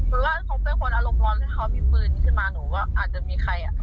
หรือว่าเขาเป็นคนอารมณ์ร้อนแล้วเขามีปืนขึ้นมาหนูก็อาจจะมีใครอ่ะ